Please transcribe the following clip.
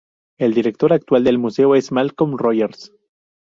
El director actual del museo es Malcolm Rogers.